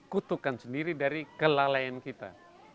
kutukan sendiri dari kelalaian kita